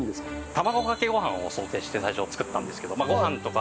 卵かけご飯を想定して最初作ったんですけどまあご飯とか。